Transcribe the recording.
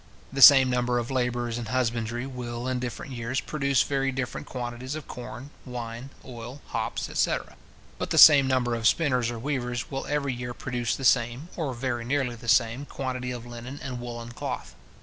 The same number of labourers in husbandry will, in different years, produce very different quantities of corn, wine, oil, hops, etc. But the same number of spinners or weavers will every year produce the same, or very nearly the same, quantity of linen and woollen cloth.